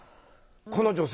この女性